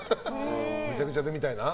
むちゃくちゃみたいな。